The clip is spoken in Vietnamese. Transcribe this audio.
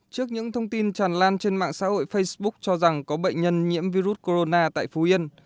trước những thông tin tràn lan trên mạng xã hội facebook cho rằng có bệnh nhân nhiễm virus corona tại phú yên